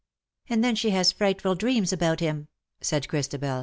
" And then she has frightful dreams about him/^ said Christabel.